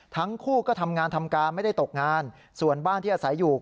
ทั้งคู่ก็ทำงานทำการไม่ได้ตกงานส่วนบ้านที่อาศัยอยู่